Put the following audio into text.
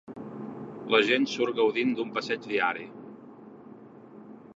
La gent surt gaudint d'un passeig diari.